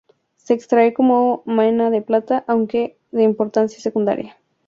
Se extrae como mena de plata, aunque de importancia secundaria.